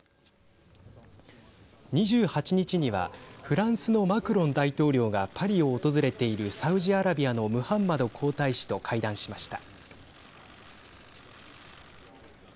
２８日にはフランスのマクロン大統領がパリを訪れているサウジアラビアのムハンマド皇太子と会談しました。